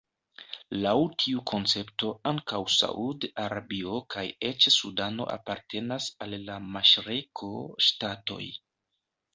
Laŭ tiu koncepto ankaŭ Saud-Arabio kaj eĉ Sudano apartenas al la maŝreko-ŝtatoj.